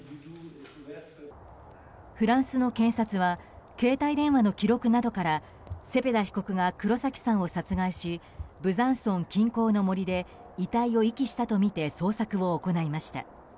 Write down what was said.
フランスの検察は携帯電話の記録などからセペダ被告が黒崎さんを殺害しブザンソン近郊の森で遺体を遺棄したとみて捜索を行いました。